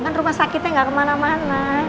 kan rumah sakitnya nggak kemana mana